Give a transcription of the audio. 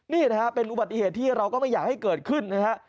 นี่นะครับเป็นอุบัติเหตุที่เราก็ไม่อยากให้เกิดขึ้นนะฮะ